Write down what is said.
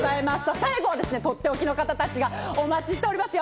最後はとっておきの方たちがお待ちしておりますよ。